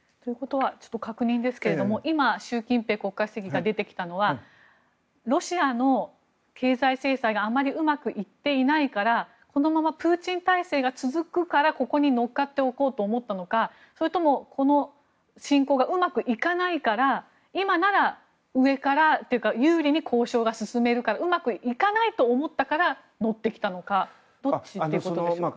確認ですけども今、習近平国家主席が出てきたのはロシアの経済制裁があまりうまくいっていないからこのままプーチン体制が続くからここに乗っかっておこうと思ったのか、それともこの侵攻がうまくいかないから今なら、上から有利に交渉が進まないからうまくいかないと思ったから乗ってきたのかどっちということでしょうか？